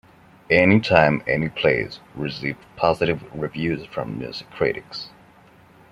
"Any Time, Any Place" received positive reviews from music critics.